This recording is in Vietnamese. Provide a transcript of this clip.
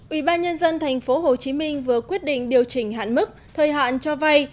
ủy ban nhân dân tp hcm vừa quyết định điều chỉnh hạn mức thời hạn cho vay